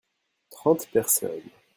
trente personnes.